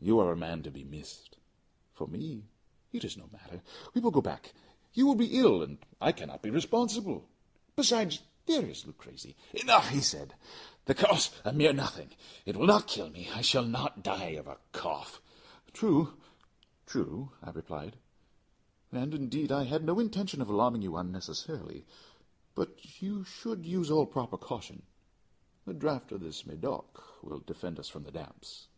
You are a man to be missed. For me it is no matter. We will go back; you will be ill, and I cannot be responsible. Besides, there is Luchesi " "Enough," he said; "the cough is a mere nothing; it will not kill me. I shall not die of a cough." "True true," I replied; "and, indeed, I had no intention of alarming you unnecessarily but you should use all proper caution. A draught of this Medoc will defend us from the damps."